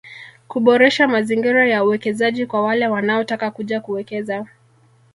Kuboresha mazingira ya uwekezaji kwa wale wanaotaka kuja kuwekeza